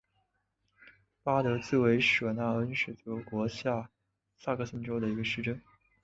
巴德茨维舍纳恩是德国下萨克森州的一个市镇。